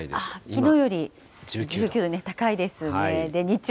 きのうより、１９度、高いですね。